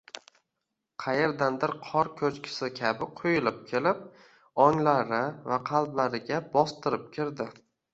qayerdandir qor ko‘chkisi kabi quyilib kelib, onglari va qalblariga bostirib kirdi.